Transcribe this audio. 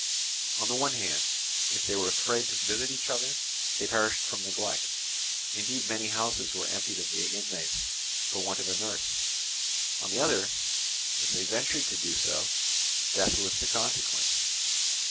On the one hand, if they were afraid to visit each other, they perished from neglect; indeed many houses were emptied of their inmates for want of a nurse: on the other, if they ventured to do so, death was the consequence.